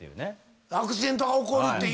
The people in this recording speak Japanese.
アクシデントが起こるっていう。